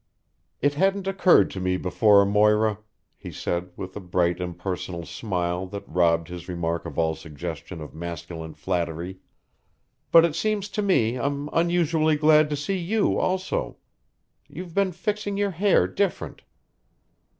"It hadn't occurred to me before, Moira," he said with a bright impersonal smile that robbed his remark of all suggestion of masculine flattery, "but it seems to me I'm unusually glad to see you, also. You've been fixing your hair different."